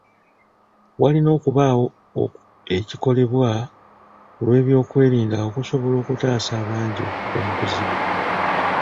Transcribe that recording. Walina okubaawo ekikolebwa ku lw'ebyokwerinda okusobola okutaasa abangi okugwa mu buzibu.